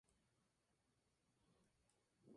Fue fundada bajo el nombre de Villa de San Sebastián.